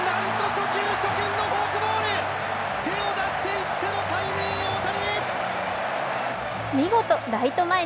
初見のフォークボール、手を出していってのタイムリー大谷。